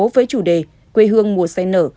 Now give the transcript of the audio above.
với chủ đề quê hương mùa sen nở